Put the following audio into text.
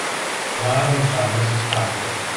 Va arronsar les espatlles.